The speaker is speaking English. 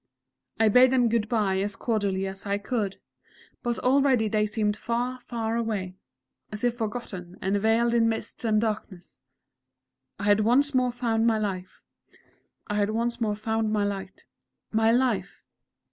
I bade them good bye as cordially as I could.... But already they seemed far, far away as if forgotten, and veiled in mists and darkness.... I had once more found my Light my Life!